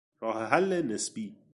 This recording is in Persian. راه حل نسبی